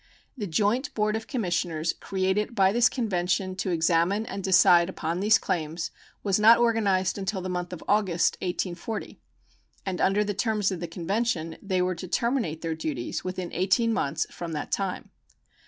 The joint board of commissioners created by this convention to examine and decide upon these claims was not organized until the month of August, 1840, and under the terms of the convention they were to terminate their duties within eighteen months from that time.